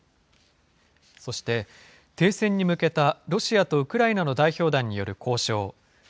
そして、停戦に向けたロシアとウクライナの代表団による交渉。